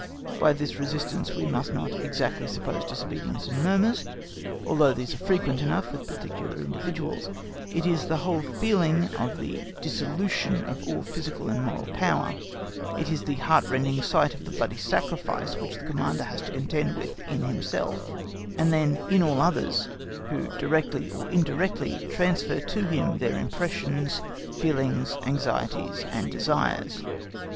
By this resistance we must not exactly suppose disobedience and murmurs, although these are frequent enough with particular individuals; it is the whole feeling of the dissolution of all physical and moral power, it is the heartrending sight of the bloody sacrifice which the Commander has to contend with in himself, and then in all others who directly or indirectly transfer to him their impressions, feelings, anxieties, and desires.